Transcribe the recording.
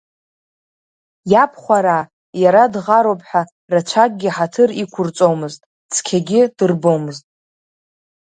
Иабхәараа иара дӷаруп ҳәа рацәакгьы ҳаҭыр иқәырҵомызт, цқьагьы дырбомызт.